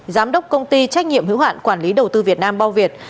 giám đốc công ty trách nhiệm hiếu hạn quản lý đầu tư việt nam bô việt